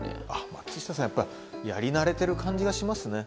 松下さんやっぱやり慣れてる感じがしますね。